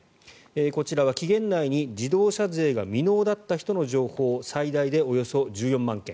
こちらは期限内に自動車税が未納だった人の情報最大でおよそ１４万件。